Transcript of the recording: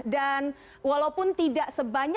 dan walaupun tidak sebagusnya